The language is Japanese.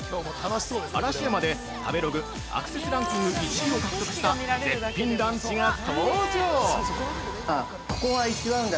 嵐山で食べログアクセスランキング１位を獲得した絶品ランチが登場！